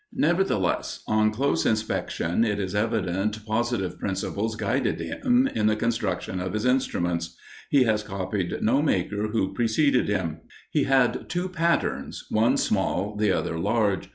Nevertheless, on close inspection, it is evident positive principles guided him in the construction of his instruments; he has copied no maker who preceded him. He had two patterns, one small, the other large.